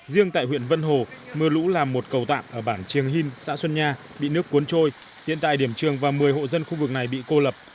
riêng tại huyện vân hồ mưa lũ làm một cầu tạm ở bản trường hìn xã xuân nha bị nước cuốn trôi hiện tại điểm trường và một mươi hộ dân khu vực này bị cô lập